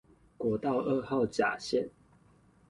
國道二號甲線